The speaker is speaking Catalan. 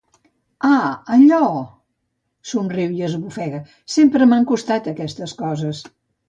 Ah, allò! —somriu i esbufega— Sempre m'han costat aquestes coses.